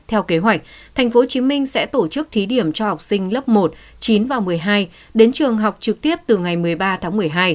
theo kế hoạch tp hcm sẽ tổ chức thí điểm cho học sinh lớp một chín và một mươi hai đến trường học trực tiếp từ ngày một mươi ba tháng một mươi hai